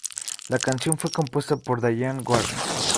La canción fue compuesta por Diane Warren.